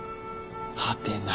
はてな。